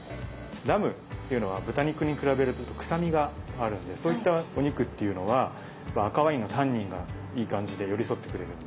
ラムっていうのは豚肉に比べると臭みがあるんでそういったお肉っていうのは赤ワインのタンニンがいい感じで寄り添ってくれるんで。